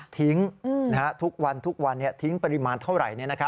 ทิ้งทุกวันทุกวันทิ้งปริมาณเท่าไหร่